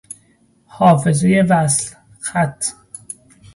حافظهی وصل - خط